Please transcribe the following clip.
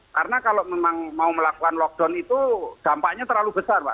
karena kalau memang mau melakukan lockdown itu dampaknya terlalu besar mbak